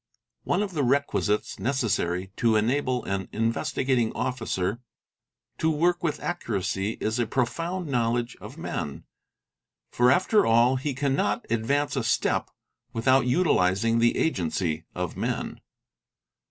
| One of the requisites necessary to enable an Investigating Officer to work with accuracy is a profound knowledge of men, for after all he can ot advance a step without utilising the agency of men.